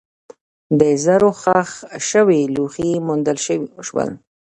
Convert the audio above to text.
د زرو ښخ شوي لوښي وموندل شول.